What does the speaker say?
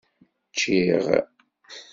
Ččiɣ.